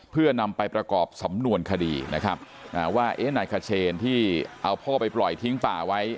เพื่อนำไปประกอบสำนวนคดีนะครับว่าเอ๊ะนายขเชนที่เอาพ่อไปปล่อยทิ้งป่าไว้